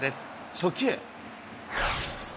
初球。